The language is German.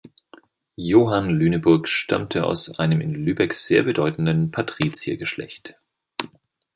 Johann Lüneburg stammte aus einem in Lübeck sehr bedeutenden Patriziergeschlecht.